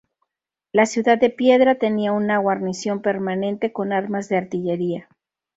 La "Ciudad de Piedra" tenía una guarnición permanente con armas de artillería.